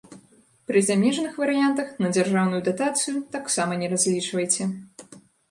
Пры замежных варыянтах на дзяржаўную датацыю таксама не разлічвайце.